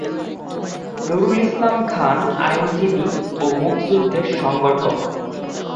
নুরুল ইসলাম খান আইনজীবী ও মুক্তিযুদ্ধের সংগঠক।